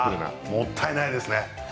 もったいないですね。